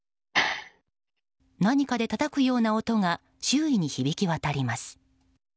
何かでたたくような音が周囲に響き渡ります。